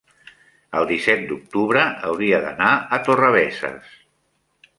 el disset d'octubre hauria d'anar a Torrebesses.